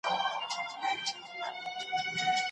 زیاته ډوډۍ به ماڼۍ ته یوړل نه سي.